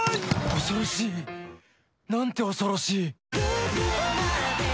恐ろしい！なんて恐ろしい。